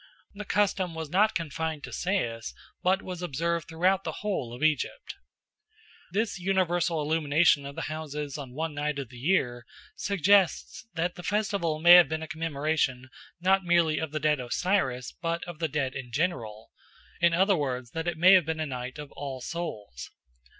The custom was not confined to Sais, but was observed throughout the whole of Egypt. This universal illumination of the houses on one night of the year suggests that the festival may have been a commemoration not merely of the dead Osiris but of the dead in general, in other words, that it may have been a night of All Souls.